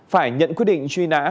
phải nhận quyết định truy nã